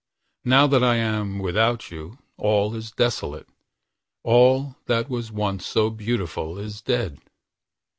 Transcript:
Now that I am without you, all is desolate, All that was once so beautiful is dead.